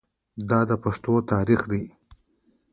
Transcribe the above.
دا د پښتنو تاریخ دی.